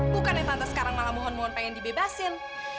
bukan yang tante sekarang malah mohon mohon pengen dibebasin